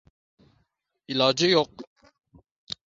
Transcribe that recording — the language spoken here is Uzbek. iloji yo’q